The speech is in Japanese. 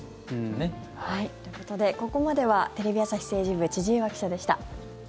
ということでここまではテレビ朝日政治部千々岩記者でした。